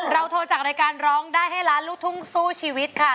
โทรจากรายการร้องได้ให้ล้านลูกทุ่งสู้ชีวิตค่ะ